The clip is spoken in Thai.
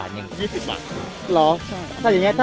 แต่อย่างไง